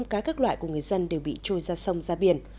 cá các loại của người dân đều bị trôi ra sông ra biển